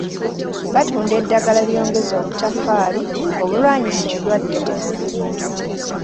Batunda eddagala eryongeza obutaffaali obulwanyisa endwadde mu mubiri.